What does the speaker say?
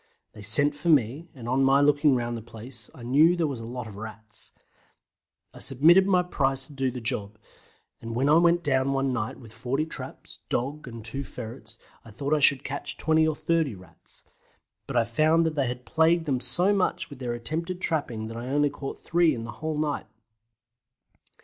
They sent for me, and on my looking round the place I knew there was a lot of Rats. I submitted my price to do the job, and when I went down one night with 40 traps, dog, and two ferrets I thought I should catch 20 or 30 Rats, but I found that they had plagued them so much with their attempted trapping that I only caught three in the whole night.